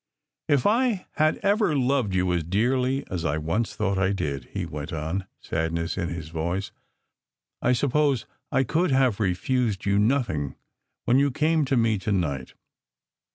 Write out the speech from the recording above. "If I had ever loved you as dearly as I once thought I did," he went on, sadness in his voice, "I suppose I could have refused you nothing when you came to me to night.